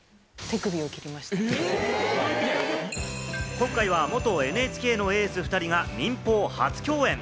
今回は元ＮＨＫのエース２人が民放初共演。